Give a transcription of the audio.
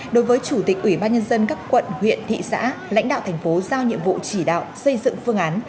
đối với chủ tịch ủy ban nhân dân các quận huyện thị xã lãnh đạo thành phố giao nhiệm vụ chỉ đạo xây dựng phương án